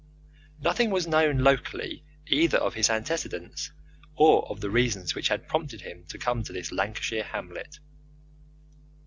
Nothing was known locally either of his antecedents or of the reasons which had prompted him to come to this Lancashire hamlet.